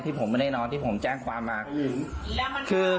ผมไม่ได้นอนที่ผมแจ้งความมา